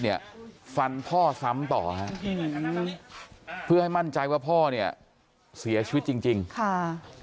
เนี่ยฟันพ่อซ้ำต่อให้มั่นใจว่าพ่อเนี่ยเสียชีวิตจริงค่ะ